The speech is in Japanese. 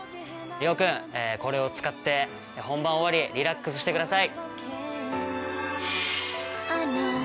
諒君これを使って本番終わりリラックスしてください。